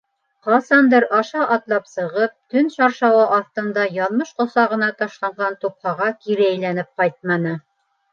Ҡасандыр аша атлап сығып, төн шаршауы аҫтында яҙмыш ҡосағына ташланған тупһаға кире әйләнеп ҡайтманы.